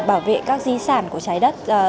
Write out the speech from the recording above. bảo vệ các di sản của trái đất